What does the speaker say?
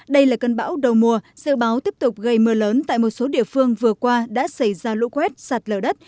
đây là cơn bão đầu mùa dự báo tiếp tục gây mưa lớn tại một số địa phương vừa qua đã xảy ra lũ quét sạt lở đất